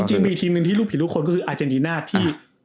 จริงมีอีกทีมหนึ่งที่ลูกผิดทุกคนก็คืออาเจนดีน่าที่